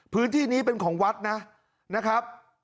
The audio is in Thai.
พื้นที่นี้เป็นของวัดนะครับ